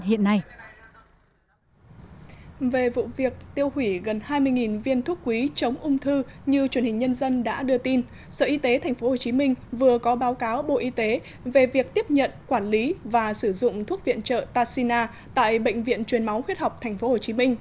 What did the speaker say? hiện vụ việc tiêu hủy gần hai mươi viên thuốc quý chống ung thư như truyền hình nhân dân đã đưa tin sở y tế tp hcm vừa có báo cáo bộ y tế về việc tiếp nhận quản lý và sử dụng thuốc viện trợ taxina tại bệnh viện truyền máu huyết học tp hcm